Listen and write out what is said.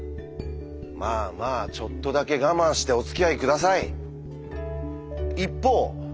まあまあちょっとだけ我慢しておつきあい下さい。